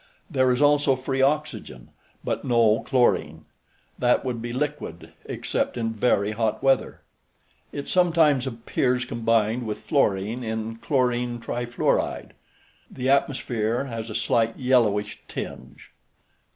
There is also free oxygen, but no chlorine. That would be liquid except in very hot weather. It sometimes appears combined with fluorine in chlorine trifluoride. The atmosphere has a slight yellowish tinge.